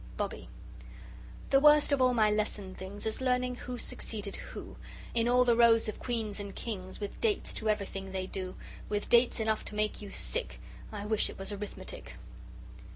BOBBIE The worst of all my lesson things Is learning who succeeded who In all the rows of queens and kings, With dates to everything they do: With dates enough to make you sick; I wish it was Arithmetic!